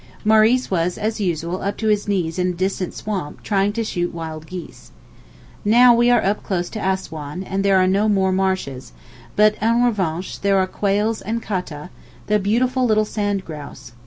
Maurice was as usual up to his knees in a distant swamp trying to shoot wild geese. Now we are up close to Assouan, and there are no more marshes; but en revanche there are quails and kata, the beautiful little sand grouse.